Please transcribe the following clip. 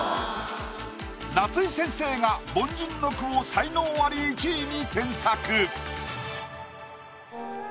夏井先生が凡人の句を才能アリ１位に添削。